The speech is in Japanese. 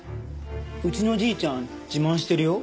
うちのじいちゃん自慢してるよ。